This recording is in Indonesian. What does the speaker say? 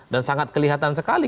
dan sangat kelihatan sekali